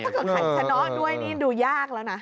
ถ้าเกิดขันชะน็อดด้วยนี่ดูยากแล้วนะ